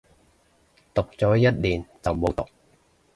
讀咗一年就冇讀